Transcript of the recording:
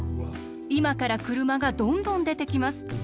いまから車がどんどんでてきます。